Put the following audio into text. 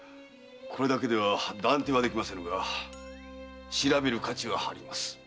これだけでは断定はできませぬが調べる価値はあります。